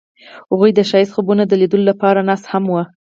هغوی د ښایسته خوبونو د لیدلو لپاره ناست هم وو.